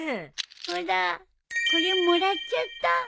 ほらこれもらっちゃった。